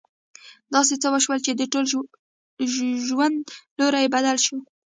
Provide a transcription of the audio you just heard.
داسې څه وشول چې د ژوند لوری يې بدل شو.